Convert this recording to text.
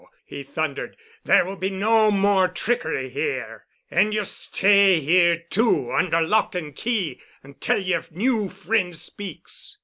he thundered. "There will be no more trickery here. And ye'll stay here too—under lock and key, until yer new friend speaks."